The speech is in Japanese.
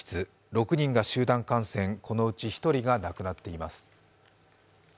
６人が集団感染このうち１人が亡くなっています。